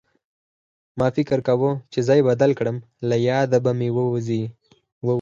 ما فکر کوه چې ځای بدل کړم له ياده به مې ووځي